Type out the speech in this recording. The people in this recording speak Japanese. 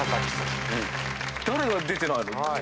誰が出てないの？